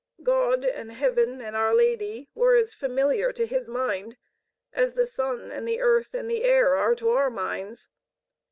God and heaven and our Lady were as familiar to his mind as the sun and the earth and the air are to our mind's.